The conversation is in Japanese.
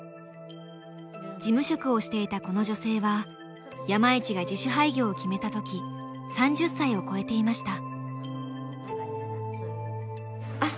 事務職をしていたこの女性は山一が自主廃業を決めた時３０歳を超えていました。